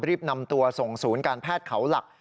รีบนำตัวส่งศูนย์การแพทย์เขาหลัก